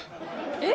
えっ？